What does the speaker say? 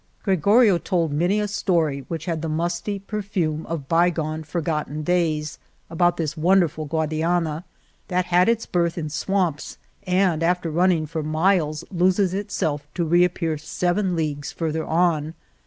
Gre gorio told many a story which had the musty per fume of bygone, forgotten days, about this won derful Guadiana, that had its birth in swamps, and after running for miles loses itself, to reappear seven leagues farther on.